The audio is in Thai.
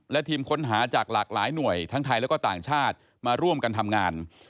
และทีมค้นหาจากหลากหลายหน่วยทั้งไทยแล้วก็ต่างชาติมาร่วมกันทำงาน